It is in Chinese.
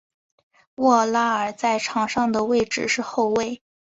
沃拉尔在场上的位置是后卫。